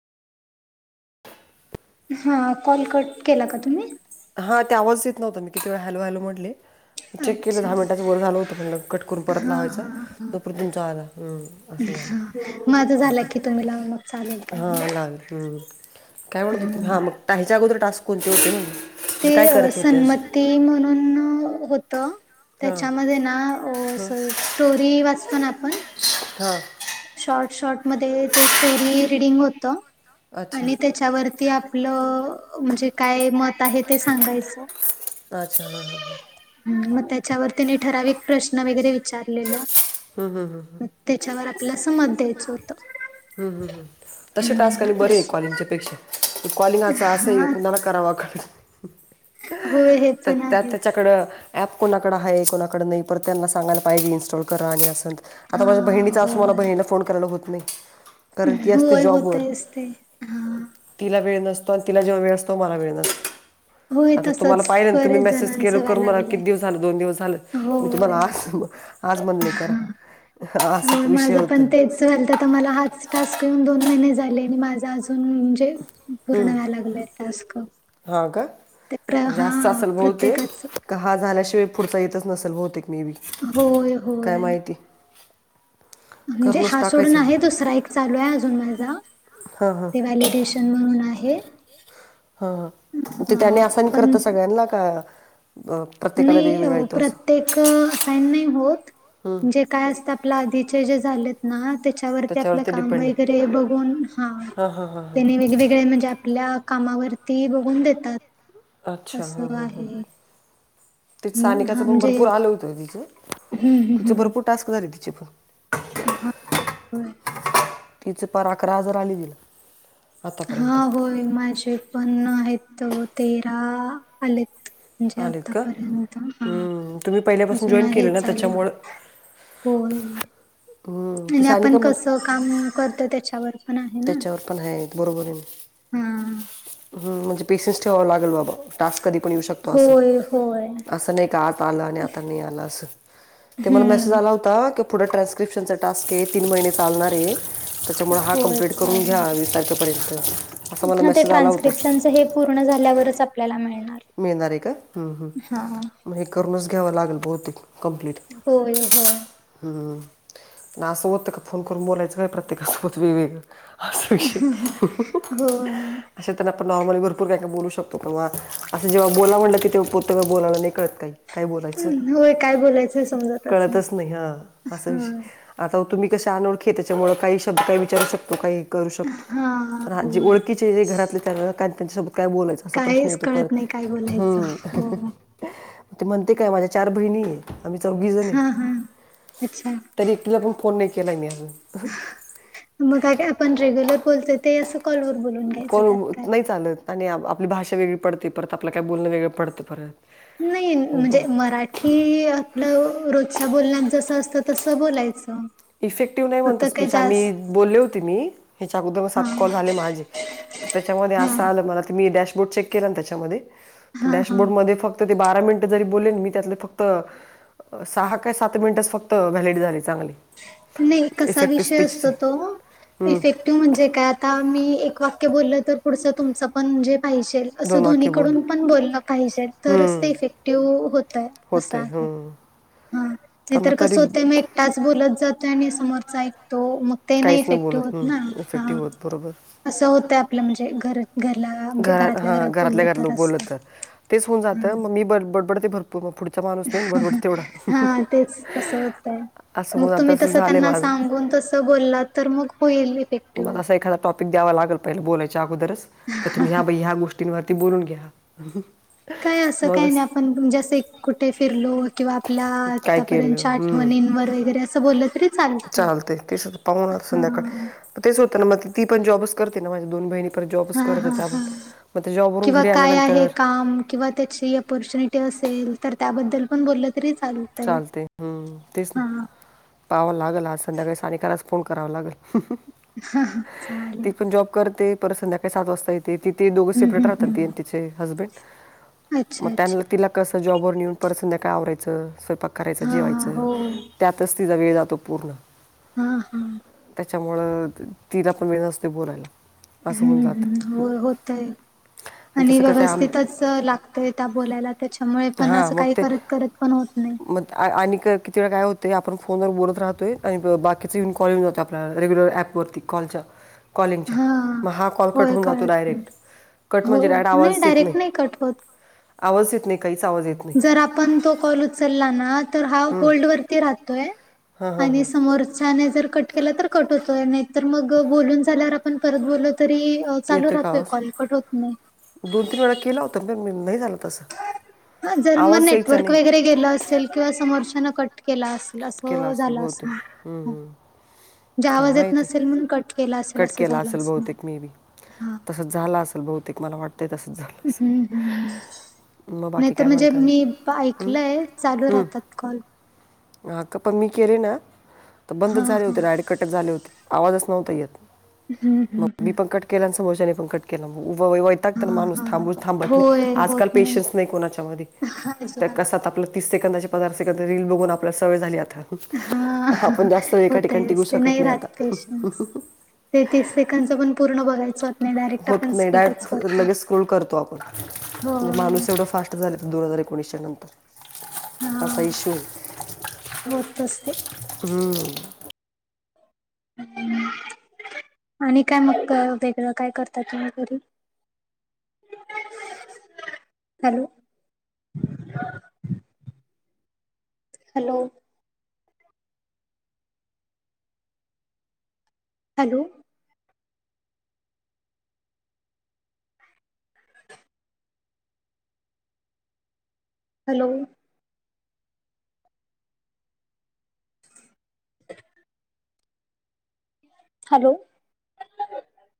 हा call cut केला का तुम्ही? हा ते आवाज देत नव्हता मी किती वे हॅलो हॅलो म्हटले. चेक केलं अच्छा दहा मिनटां वर झालं होतं म्हटलं कट करून परत हा लावायचं हा हा दोपर तुमचा आधला. हम्म असं झालं हा माझा झाला की तुम्ही लावून मग चालेल काय हा नाही. लागल हम्म. काय म्हणत हो त हां मग कााच्या अगोदर टास्क कोणते होते ना. ते सन्मत. ते म्हणून होत हां त्याच्यामध्ये ना. हां स्टोरी वाचतो ना आपण हा. शॉर्ट शॉर्ट मध्ये ते स्टोरी रिडिंग होत आणि अच्छा त्या त्याच्यावरती आपलं म्हणजे काय मत आहे ते सांगायचं. अच्छा हा हा हा. ह मग त्याच्यावर तने ठराविक प्रश्न वगैरे विचारलेला. हम हम हं ह. त्याच्यावर आपल्याला समत द्यायचं. ह् तसे टास्क आणि हम्म, बरे आहे अश- कॉलिंगच्या पेक्षा कॉलिंगाच असं हा कुणाला करावां कडे. होय हे तर पण त्यात आहेच त्याच्याकडं. ॲप कोणाकडं आहे कोणाकडं नाही परत त्यांना सांगयला पाहिजे इनस्टॉल करा आणि असंत तर हा आता माझ्या बहिणीचा असू मला होय बहिणीला फोन करायला होत नाही. कारण ती असते होय जॉबवरर. होतयच ते हा तिला वळसतो आणि तिला जेव वेळ असतो मला वेळसतो. होय आता तुम्हाला तसच पाहिलं ना तुम्ही बरेच मेसेज केलं जणांचं व्हाय कर म लागलंय किती दिवस झाले दोन दिवस झाले मी होय तुम्हाला? आज म्हण नाही करा हा. असा होय विषय माझं पण होतोय. तेच मला हाच टास्क घेऊन दोन महिने झाले आणि माझा अजून े पूर्ण व्हायला लागलेय टास्क. ह का ते प्र म्हणजे आजता हा असल बहत आहे. प्रत्येकाच का हा झाल्याशिवाय पुढचा येतच नसेल बहतते एक मे बी. होय काय होय. माहिती म्हणजे करूनच हा सोडून टाकायचं आहे दोसरा एकक चालू आहे अजून माझा हा हा. ते व्हॅलिडेशन म्हणून आहे. हा हा, ते हा त्याने आसन करत पण सगळ्यांना का प्रत्येकाला नाही अ वेगवेगळा येतो प्रत असं तेक अ असायन नाही होत, म्हणजे काय असत आपलं आधीचे जे झालेत ना ते चे त्यावरती त्याच्यावर आपलं ते काम डिपेंड वैगरे बघून, हा त्यानी वेगग वेगळे म्हणजे आपल्या कामावरती बघून देतात. अच्छा हा असं हा हा. आहे. ति हम्म, हा सानिकाचं पण म्हणजे भरपूर आलं होतं तिचं, हम्म हम्म तिचं भरपूर हम्म टास्क झाले तिचे पण. हा, व्हय? तिचं पार अकरा हजार आली तिला. आतापर्यंत हा होय माझे पण आहेत, तेरा आलेत. म्हणजे आलेत का आतापर्यंत, हा हम्म, तुम्ही पहिल्यापासून अजून जॉईन आहे केलं ना चालू. त्याच्यामुळं होय, हम्म, ते आणि सानिका आपण मला कसं काम करतो त्याच्यावर पण त्याच्यावर पण हाय, बरोबर आहे. हम्म हम्म, म्हणजे पेसेन्स ठेवावा लागेल बाबा, टास्क कधी पण येऊ शकतो असे. होय होय असं नाही का आज आला आणि आता नाही आला असं, ते मला मेसेज हम्म आला होता क पुढं ट्रान्स्क्रिप्शनचा टास्क आहे, तीन महिने चालणार आहे, त्याच्यामुळे हा होय कंप्लीट करून घ्या चालणार वीस तारखेपर्यंत, असा मला हा ते मेसेज आला होता. ट्रान्स्क्रिप्शनच हे पूर्ण झाल्यावरच आपल्याला मिळणार मिळणार आहे का? हम्म हम्म, हा मग हे करूनच घ्यावं लागेल बहुतेक कम्प्लीट. होय होय हम्म, पण असं होतं का फोन करून बोलायचं काय, प्रत्येकासोबत वेगवेगळं? असा विषय आहे. होय अशा आता ना आपण नॉर्मली भरपूर काय काय बोलू शकतो, पण बवा असं जेव्हा बोलावं म्हणलं की तेव्हा [unintelligible] बोलायला नाही कळत काही. काय बोलायचं? व्हय काय बोलायचं, कळतच नाही, हा असा विषय. होय आता तुम्ही कशा अनोळखी, त्याच्यामुळे काही शब्द काही विचारू शकतो काही करू हा शकतो, जे होय ओळखीचे जे घरातले त्यां त्यांच्यासोबत काय बोलायचं? असा प्रश्न काहीच येतो कळत परत, नाही काय बोलायचं हम्म, हो ते म्हणते काय माझ्या चार बहिणी आम्ही चौघी जण आहे, हा हा अच्छा तरी एकटीला पण फोन नाही केला मी अजून. मग काय काय आपण रेग्युलर बोलतोय ते असं कॉलवर बोलून घ्यायचं कोण खातखात. नाही चालत आणि आपली भाषा वेगळी पडते परत आपल्याला काय बोलणं वेगळं पडतं परत. नाही म्हणजे मरा ठी आपलं रोजच्या बोलण्यात जसं असतं तसं बोलायचं. इफेक्टिव्ह नाही फक्त म्हणत, काही स्पीच जास्त आम्ही बोलले होते मी, ह्याच्या अगोदर म सात हा कॉल झाले माझे. तर त्याच्यामध्ये हा असं आलं मला, ते मी डॅशबोर्ड चेक केला ना त्याच्यामध्ये, हा हा डॅशबोर्ड मध्ये फक्. त ते बारा मिनटं जरी बोलले ना मी त्यातलं फक्त अ सहा का सात मिनिटच फक्त व्हॅलिड झाली चांगली. नाही, कसा विषय असतो तो, हम्म, इफेक् टिव्ह म्हणजे काय आता, मी एक वाक्य बोललं तर पुढचं तुमचं पण म्हणजे पाहिजे तर असं दोन वाक्य बोल दोन्हीकडून पण बोलणं पाहिजे, तरच हम्म, ते इफेक्टिव्ह होतंय. होतंय, ह्म्म हा, नाही तर कस होतंय मग एकटाच बोलत जातोय आणि समोरचा ऐकतो, मग ते नाही काहीच इफेक्टिव्ह बोलत होतं ना, हा इफेक्टिव्ह होत बरोबर असं होतं आपलं म्हणजे घर घरला म्हणजे घरातल्या हां घरात घरातल्या बोललं तर लोक बोललं असतं, तेच होऊन ह जातं मग मी ब बडबड ते भरप हा तेच, तसं होतंय. असं मग होऊन आता तुम्ही असं तसं झालं आहे त्यांना माझं सांगून तसं बोललात तर मग होईल. म इफेक्टिव्ह. मला असा एखादा टॉपिक द्यावा लागल पहिलं बोलायच्या अगोदरच, क तु ह्या बई ह्या गोष्टी टीन वरती बोलून घ्या. काय असं काही मगच नाही आपण, म्हणजे असं कुठे फिरलो किंवा आपला काय आता केलं पर्यंतच्या हम्म आठवणींवर वगैरे असं बोललं तरी चालतंय, चालते तेच आता पाहून आता संध्याकाळ हा. तेच होत ना मग ती पण जॉबच करते ना माझ्या दोन बहिणी परत हा जॉबच हा करतात त्या पण हा मग त्या जॉबवरून किंवा घरी काय आहे आल्यानंतर काम किंवा त्याची ऑपॉर्च्युनिटी असेल तर त्याबद्दल पण बोललं तरी चाललं चालतय, हम्म तेच ना पहावं लागल आज संध्याकाळी सानिकालाच फोन करावा लागल हा हा चालेल. ती पण जॉब करते परत संध्याकाळी सात वाजता येते तिथे दोघ हम्म सेपरेट हम्म राहतात हम्म. ते चे हेंजबंड, म अच्छा अच्छा. त्यानंतर तिला कस जॉबवर नेऊन परत संध्याकाळ आवरायचं स्वयंपाक करायच हा जेवायचं हो. त्यातच तिचा वेळ जातो पूर्ण हा हा त्याच्यामुळ तिला पण वेळ असतय बोलायला असं होऊन हम्म जातं हम्म हो, होतय आणि तसं कसं आम व्यवस्थितच लागतय त्या बोलायला त्याच्यामुळे पण हां असं मग काही करत ते करत पण होत नाही मग आणि किती वेळा काय होतय आपण फोनवर बोलत राहतोय आणि बाकीच इन कॉल येऊन होतात आपल्या रेग्युलर ॲपवर कॉलच्या, कॉलिंगच्या हा मग हा कॉल कट होय होऊन जातो कळत नाही डायरेक्ट कट हो म्हणजे डायरेक्ट आवाज येत नाही डायरेक्ट कट होत. आवाज येत नाही काहीच आवाज येत नाही. तर आपण जो कॉल उचलला ना तर हा होल्ड वरती राहतोय हां हां आणि हां समोरच्याने जर कट कट केला तर कट होतोय नाही तर मग बोलून झाल्यावर आपण परत बोललो तरी चालू येतोय का राहतोय आवाज कॉल कट होत नाही. दोन -तीन वेळा केला होता पण नाही झालं तसं जर मग आवाज यायचा नेटवर्क नाही वगैरे गेलं असेल किंवा समोरच्यान कट केला असेल. अस कट केला असेल झालं बहुतेक असणार. हम्म. म्हणजे काय आवाज येत माहिती नसेल म्हणून कट केला असेल कट असं केला झालं असेल असणार बहुतेक मे बी हा. तसंच झाल असेल बहुतेक मला वाटतंय तसंच झालं. हम्म असेल हम् मग नाही बाकी तर काय म्हणजे म्हणताय मी ऐकलंय चालू हम्म. राहतात. कॉल हा. की पण मी केले ना तर हा बंदच झाले हा होते डायरेक्ट कटच झाले होते आवाजच नव्हता येत हम्म मग हम्म मी हम्म पण कट केला आणि समोरच्याने पण कट केला व्ह, व्ह हा माणूस हा थांबून, थांबत नाही होय आजकाल होत पेशन्स नाही कोणाच्या मध्ये हा, अजिबात कस हाय आपलं तीस सेकंदाचे पदार्थाचे रील बघून आपल्याला सवय झाली आता हा आपण जास्त वेळ एका ठिकाणी होतय टिगू असते शकत नाही राहत आता. पेशन्स ते तीस सेकंदच पण पूर्ण बघायचं नाही डायरेक्ट होत आपण नाही, स्किपच डायरेक्ट करतो लगेच स्क्रोल करतो आपण होय माणूस एवढं फास्ट झाल्यात दोन हजार एकोणीसच्या नंतर. हा असा विषय हाय, होत असते हम्म हम्म आणि काय मग वेगळं काय करता तुम्ही घरून? Hello hello hello hello [inaudible] hello